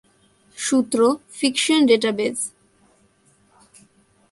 সূত্র: fiction database